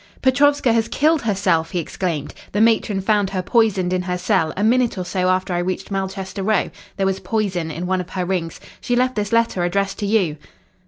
"Petrovska has killed herself," he exclaimed. "The matron found her poisoned in her cell, a minute or so after I reached Malchester Row. There was poison in one of her rings. She left this letter addressed to you."